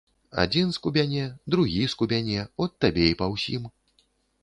Адзін скубяне, другі скубяне, от табе і па ўсім.